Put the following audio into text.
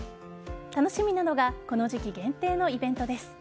楽しみなのがこの時期限定のイベントです。